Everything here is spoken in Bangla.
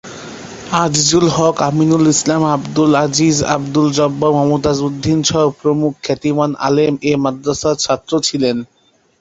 আজিজুল হক, আমিনুল ইসলাম, আবদুল আজিজ, আবদুল জব্বার, মমতাজ উদ্দীন সহ প্রমুখ খ্যাতিমান আলেম এ মাদ্রাসার ছাত্র ছিলেন।